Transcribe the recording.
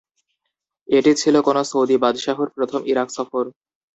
এটি ছিল কোনো সৌদি বাদশাহর প্রথম ইরাক সফর।